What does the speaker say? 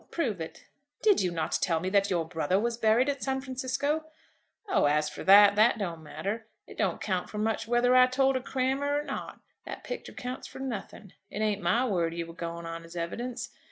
Prove it." "Did you not tell me that your brother was buried at San Francisco?" "Oh, as for that, that don't matter. It don't count for much whether I told a crammer or not. That picter counts for nothing. It ain't my word you were going on as evidence.